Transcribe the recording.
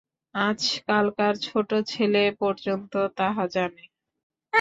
আজকালকার ছোট ছেলে পর্যন্ত তাহা জানে।